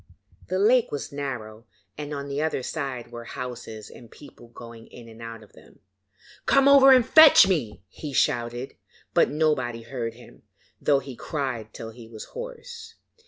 The lake was narrow, and on the other side were houses and people going in and out of them. 'Come over and fetch me,' he shouted, but nobody heard him, though he cried till he was hoarse.